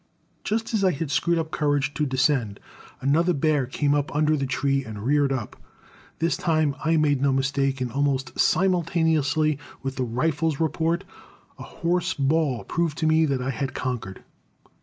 Just as I had screwed up courage to descend, another bear came up under the tree and reared up. This time I made no mistake, and almost simultaneously with the rifle's report a hoarse bawl proved to me that I had conquered.